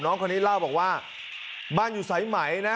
น้องคนนี้เล่าบอกว่าบ้านอยู่สายไหมนะ